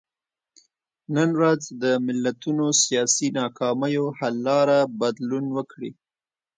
نن ورځ د ملتونو سیاسي ناکامیو حل لاره بدلون وکړي.